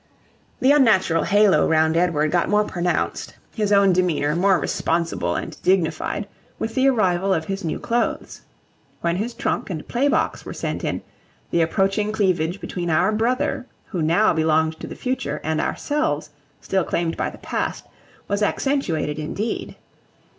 The unnatural halo round Edward got more pronounced, his own demeanour more responsible and dignified, with the arrival of his new clothes. When his trunk and play box were sent in, the approaching cleavage between our brother, who now belonged to the future, and ourselves, still claimed by the past, was accentuated indeed.